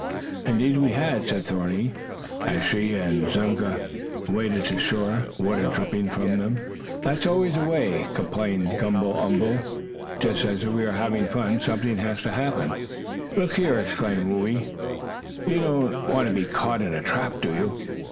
"Indeed we had!" said Thorny, as she and Zunga waded to the shore, water dripping from them. "That's always the way!" complained Gumble umble. "Just as we are having fun, something has to happen." "Look here!" exclaimed Whoo ee, "you don't want to be caught in a trap, do you?"